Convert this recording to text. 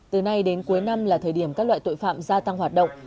từ nay đến cuối năm là thời điểm các loại tội phạm gia tăng hoạt động